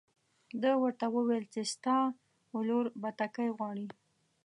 ده ورته وویل چې ستا ولور بتکۍ غواړي.